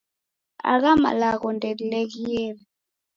Agha malagho ndeghileghere.